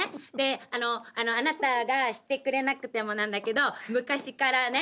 あの『あなたがしてくれなくても』なんだけど昔からね